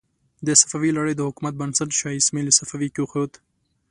د صفوي لړۍ د حکومت بنسټ شاه اسماعیل صفوي کېښود.